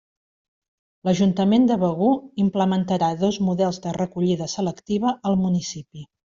L'Ajuntament de Begur implementarà dos models de recollida selectiva al municipi.